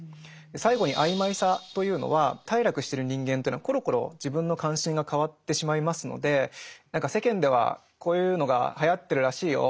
最後に「曖昧さ」というのは頽落してる人間というのはコロコロ自分の関心が変わってしまいますので「何か世間ではこういうのがはやってるらしいよ。